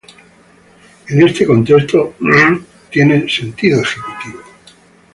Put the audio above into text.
En este contexto, 조 tiene sentido ejecutivo.